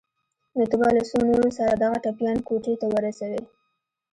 نو ته به له څو نورو سره دغه ټپيان کوټې ته ورسوې.